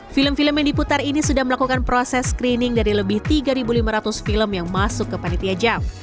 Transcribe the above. film film yang diputar ini sudah melakukan proses screening dari lebih tiga lima ratus film yang masuk ke panitia jam